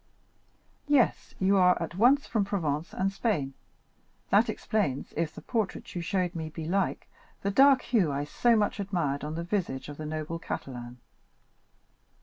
Yes, you are at once from Provence and Spain; that explains, if the portrait you showed me be like, the dark hue I so much admired on the visage of the noble Catalan."